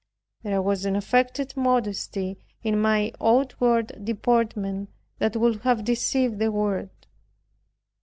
There was an affected modesty in my outward deportment that would have deceived the world.